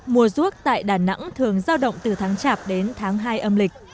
mùa ruốc tại đà nẵng thường giao động từ tháng chạp đến tháng hai âm lịch